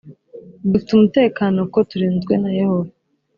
dufite umutekano kuko turinzwe na yehova